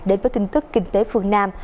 đến với tin tức kinh tế phương nam